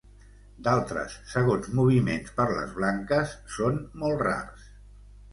D'altres segons moviments per les blanques són molt rars.